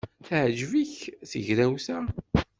Teɛjeb-ik tegrawt-a?